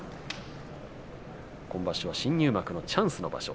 今場所は新入幕のチャンスの場所。